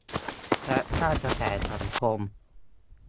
และสร้างกระแสสังคม